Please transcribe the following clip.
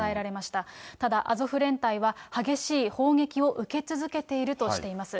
ただアゾフ連隊は、激しい砲撃を受け続けているとしています。